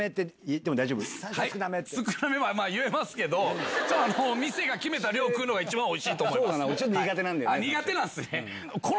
少なめは言えますけど店が決めた量食うのが一番おいしいと思います。